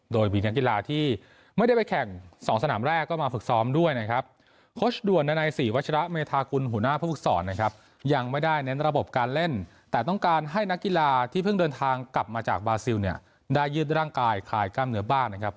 โดยมีนักกีฬาที่ไม่ได้ไปแข่งสองสนามแรกก็มาฝึกซ้อมด้วยนะครับ